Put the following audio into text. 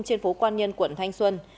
trên phố quan nhân quận thanh xuân